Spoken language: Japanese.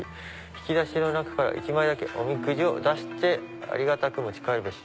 引き出しの中から１枚だけおみくじを出して有り難く持ち帰るべし」